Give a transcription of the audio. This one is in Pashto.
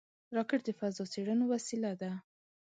راکټ د فضا څېړنو وسیله ده